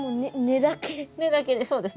根だけで。